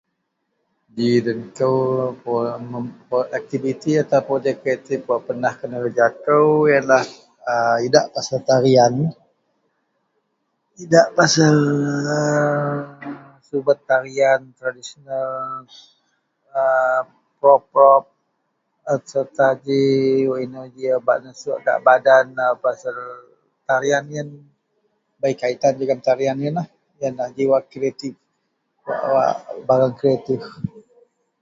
Den kou ji aktiviti wak pernah kenereja kou ialah idak pasal tarian subet tarian tradisional, por pot ji inou bak nesau gak badan jegam inou inou ji bei kaitan jegam tarian yian ji barang kreatif.